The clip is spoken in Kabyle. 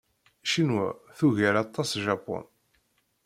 Ccinwa tugar aṭas Japun.